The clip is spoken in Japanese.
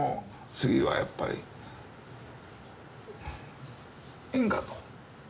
次はやっぱり円かと。